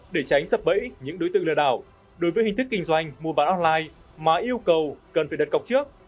để tránh sập bẫy những đối tượng lừa đảo đối với hình thức kinh doanh mua bán online mà yêu cầu cần phải đặt cọc trước